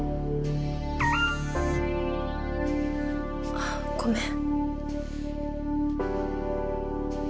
あごめん。